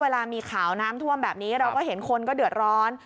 เวลามีข่าวน้ำท่วมแบบนี้เราก็เห็นคนก็เดือดร้อน